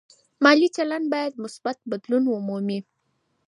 مالي چلند باید مثبت بدلون ومومي.